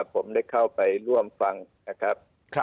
ผมได้เข้าไปร่วมฟังนะครับ